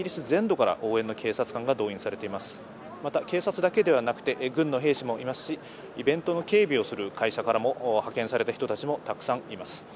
警察だけではなくて、軍の兵士もいますし、イベントの警備をする会社からも派遣された人たちもたくさんいます。